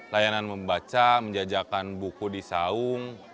layanan membaca menjajakan buku di saung